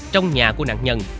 trong nhà của nạn nhân